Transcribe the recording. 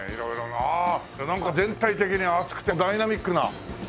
ああなんか全体的に厚くてダイナミックな。